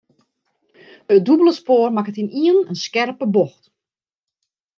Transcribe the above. It dûbelde spoar makke ynienen in skerpe bocht.